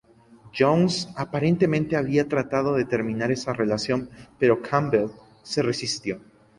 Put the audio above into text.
Jones aparentemente había tratado de terminar esa relación, pero Campbell se resistió.